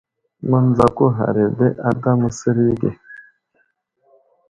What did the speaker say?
Mənzako ghar yo di ada aslər age.